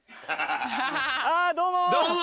あっどうも！